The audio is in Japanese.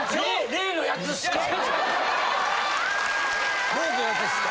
例のやつですか？